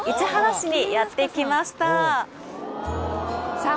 さあ